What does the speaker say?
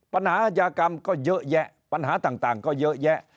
อาชญากรรมก็เยอะแยะปัญหาต่างก็เยอะแยะ